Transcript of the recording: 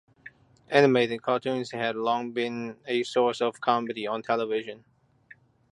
Animated cartoons have long been a source of comedy on television.